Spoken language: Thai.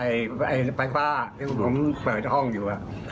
ที่ผมเปิดห้องอยู่